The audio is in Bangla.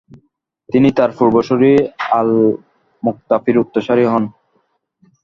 তিনি তার পূর্বসূরি আল মুকতাফির উত্তরসূরি হন।